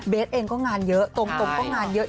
เองก็งานเยอะตรงก็งานเยอะ